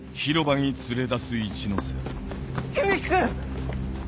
響君！